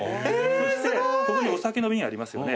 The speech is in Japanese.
そしてここにお酒の瓶ありますよね。